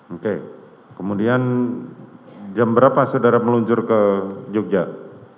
oke kemudian jam berapa saudara meluncur ke jogja